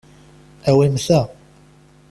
Awim ta.